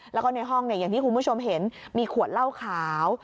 แล้วก็ในห้องอย่างที่คุณผู้ชมเห็นมีขวดเหล้าขาว